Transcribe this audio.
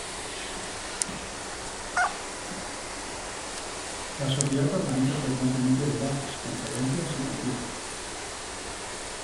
La sociedad organiza frecuentemente debates, conferencias y conciertos.